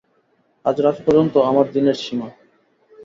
আজ রাত পর্যন্ত আমার দিনের সীমা।